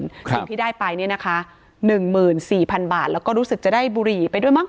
สิ่งที่ได้ไปเนี่ยนะคะ๑๔๐๐๐บาทแล้วก็รู้สึกจะได้บุหรี่ไปด้วยมั้